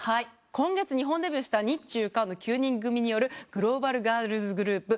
今月日本デビューした日中韓の９人組によるグローバルガールズグループＫｅｐ